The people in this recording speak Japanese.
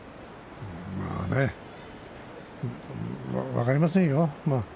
まあね分かりませんよ